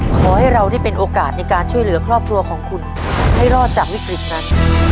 ขอให้เราได้เป็นโอกาสในการช่วยเหลือครอบครัวของคุณให้รอดจากวิกฤตนั้น